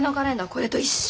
これと一緒。